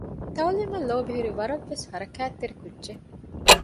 ތައުލީމަށް ލޯބިހުރި ވަރަށް ވެސް ހަރަކާތްތެރި ކުއްޖެއް